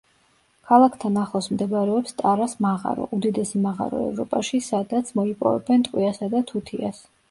ქალაქთან ახლოს მდებარეობს ტარას მაღარო, უდიდესი მაღარო ევროპაში, სადაც მოიპოვებენ ტყვიასა და თუთიას.